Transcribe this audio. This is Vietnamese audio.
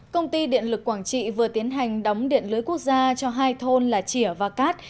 công ty điện lực quảng trị vừa tiến hành đóng điện lưới quốc gia cho hai thôn là chỉa và cát